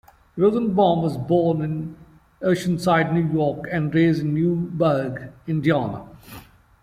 Rosenbaum was born in Oceanside, New York and raised in Newburgh, Indiana.